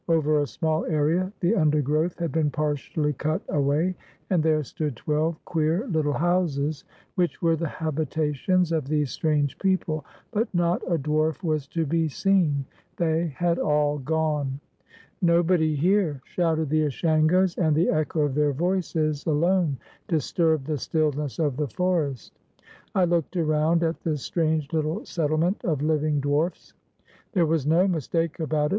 Over a small area the undergrowth had been partially cut away, and there stood twelve queer little houses, which were the habitations of these strange people, but not a dwarf was to be seen. They had all gone. "Nobody here," shouted the Ashangos, and theechoof their voices alone disturbed the stillness of the forest. I looked around at this strange Httle settlement of living dwarfs. There was no mistake about it.